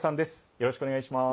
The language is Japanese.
よろしくお願いします。